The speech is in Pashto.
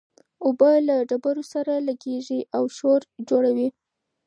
اوبه له ډبرو سره لګېږي او شور جوړوي.